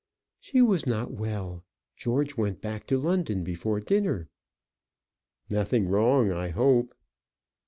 "She was not very well. George went back to London before dinner." "Nothing wrong, I hope?"